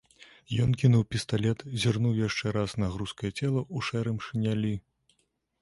Ён кінуў пісталет, зірнуў яшчэ раз на грузкае цела ў шэрым шынялі.